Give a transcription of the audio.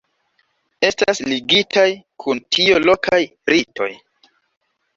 Estas ligitaj kun tio lokaj ritoj.